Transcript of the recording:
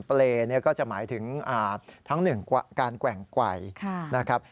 เปรย์เนี่ยก็จะหมายถึงทั้งหนึ่งการแกว่งไวนะครับ